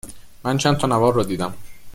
من چند تا نوار رو دیدم